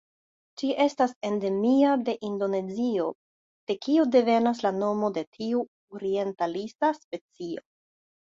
Ĝi estas endemia de Indonezio de kio devenas la nomo de tiu orientalisa specio.